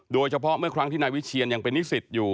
โดยเฉพาะเมื่อครั้งที่นายวิเชียนยังเป็นนิสิตอยู่